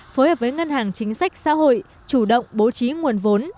phối hợp với ngân hàng chính sách xã hội chủ động bố trí nguồn vốn